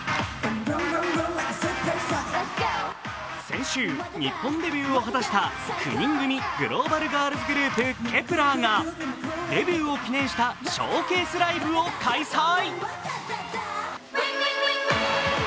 先週、日本デビューを果たした９人組グローバルガールズグループＫｅｐ１ｅｒが、デビューを記念したショーケースライブを開催。